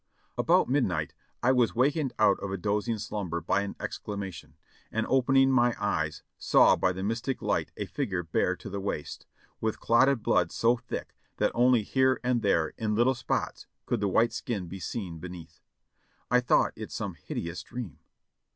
About midnight I was wakened out of a dozing slumber by an exclamation, and opening my eyes saw by the mystic light a figure bare to the waist, with clotted blood so thick that only here and there, in little spots, could the white skin be seen be neath. I thought it some hideous dream.